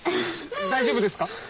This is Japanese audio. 大丈夫ですか！？